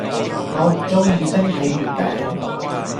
我唔鍾意冰皮月餅